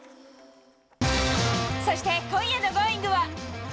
そして今夜の「Ｇｏｉｎｇ！」は。